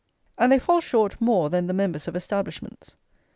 And they fall short more than the members of Establishments.